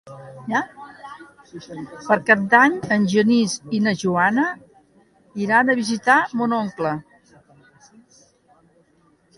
Per Cap d'Any en Genís i na Joana iran a visitar mon oncle.